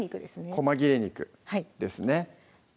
こま切れ肉ですね